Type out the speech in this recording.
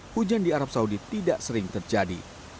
hujan di arab saudi tidak sering terjadi